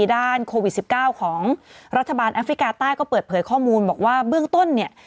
ด้านโควิด๑๙ของรัฐบาลแอฟริกาใต้ก็เปิดเผยข้อมูลบอกว่าเบื้องต้นเนี่ย